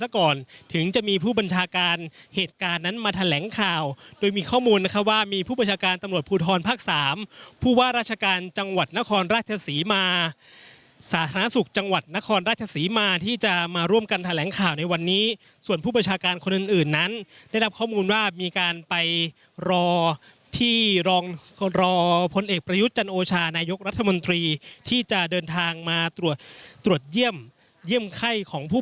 ข้อมูลนะครับว่ามีผู้บัญชาการตำรวจภูทรภาคสามผู้ว่าราชการจังหวัดนครราชสีมาสาธารณสุขจังหวัดนครราชสีมาที่จะมาร่วมกันแถลงข่าวในวันนี้ส่วนผู้บัญชาการคนอื่นนั้นได้รับข้อมูลว่ามีการไปรอที่รองรองพลเอกประยุทธ์จันโอชานายกรัฐมนตรีที่จะเดินทางมาตรวจตรวจเยี่ยมเยี่ยมไข้ของผ